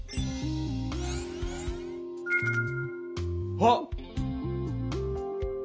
あっ！